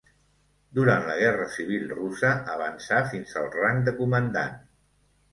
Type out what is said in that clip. Durant la Guerra Civil Russa avançà fins al rang de comandant.